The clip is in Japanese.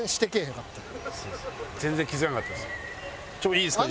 いいですか？